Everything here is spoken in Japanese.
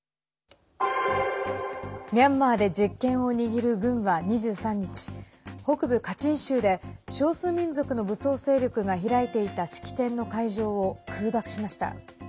ミャンマーで実権を握る軍は２３日、北部カチン州で少数民族の武装勢力が開いていた式典の会場を空爆しました。